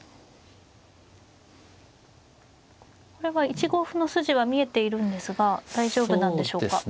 これは１五歩の筋は見えているんですが大丈夫なんでしょうか。